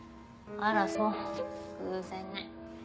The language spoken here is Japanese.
あらそう偶然ね。